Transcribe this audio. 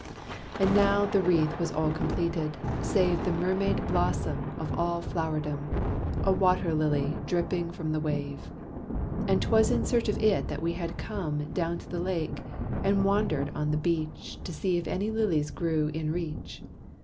And now the wreath was all completed, save The mermaid blossom of all flowerdom, A water lily, dripping from the wave. And 'twas in search of it that we had come Down to the lake, and wandered on the beach, To see if any lilies grew in reach.